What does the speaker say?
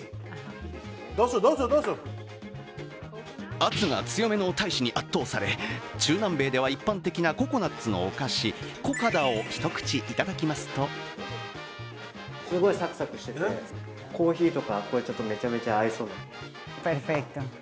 圧が強めの大使に圧倒され、中南米では一般的なココナッツのお菓子、コカダを一口いただきますと香ばしくて、サクサクしてて、コーヒーとか紅茶とめちゃめちゃ合いそうな。